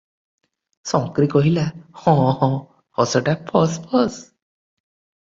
"ଶଂକ୍ରୀ କହିଲା," ହଁ ହଁ ହସଟା ଫସ୍ ଫସ୍ ।